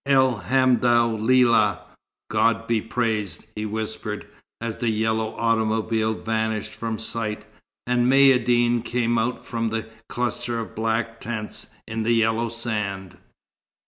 "El hamdou lillah! God be praised!" he whispered, as the yellow automobile vanished from sight and Maïeddine came out from the cluster of black tents in the yellow sand.